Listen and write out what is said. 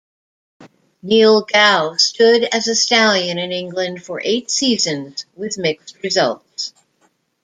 Neil Gow stood as a stallion in England for eight seasons with mixed results.